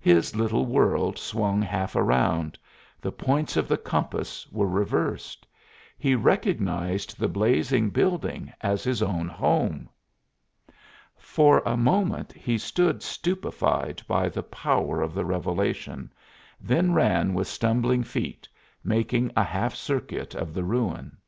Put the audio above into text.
His little world swung half around; the points of the compass were reversed. He recognized the blazing building as his own home! For a moment he stood stupefied by the power of the revelation, then ran with stumbling feet, making a half circuit of the ruin.